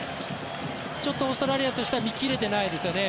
ちょっとオーストラリアとしては見切れてないですよね。